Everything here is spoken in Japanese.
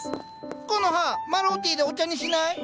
コノハマロウティーでお茶にしない？